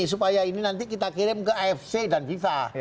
supaya ini nanti kita kirim ke afc dan viva